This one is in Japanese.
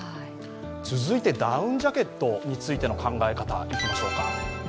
続いてダウンジャケットについての考え方、いきましょうか。